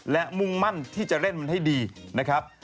และมุ่งมั่นที่จะเล่นมันให้ดีนะครับ